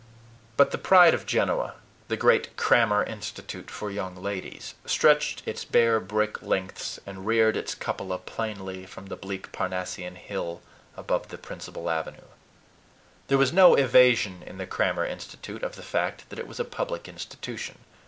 But the pride of Genoa the great Crammer Institute for Young Ladies stretched its bare brick length and reared its cupola plainly from the bleak Parnassian hill above the principal avenue. There was no evasion in the Crammer Institute of the fact that it was a public institution.